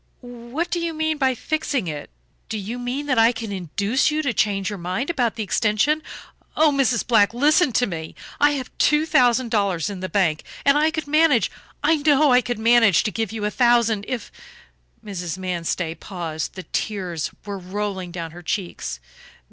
"What do you mean by fixing it? Do you mean that I can induce you to change your mind about the extension? Oh, Mrs. Black, listen to me. I have two thousand dollars in the bank and I could manage, I know I could manage, to give you a thousand if " Mrs. Manstey paused; the tears were rolling down her cheeks.